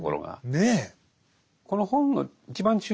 ねえ。